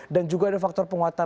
dan juga ada faktor penguatan